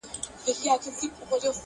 د زړه مېنه مي خالي ده له سروره -